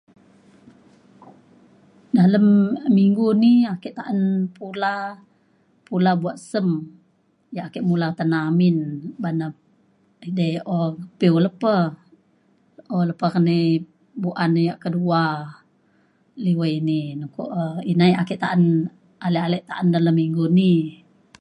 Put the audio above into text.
dalem minggu ni ake ta’an pula pula buak sem yak ake mula tena amin ban na edei o pew lepa o lepa ke nai buan yak kedua liwai ini ne ko. ina ya ake ta’an ale ale ta’an dalem minggu ni